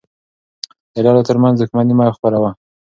د ډلو ترمنځ دښمني مه خپروه.